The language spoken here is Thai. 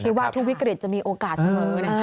คิดว่าทุกวิกฤติจะมีโอกาสเหมือน